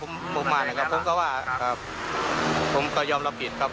ผมมาก็ว่าครับผมก็ยอมรับผิดครับ